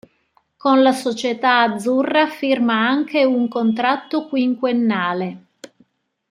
Con la società azzurra firma anche un contratto quinquennale.